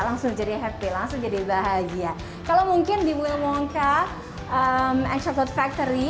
langsung jadi happy langsung jadi bahagia kalau mungkin di willmongka and chocolate factory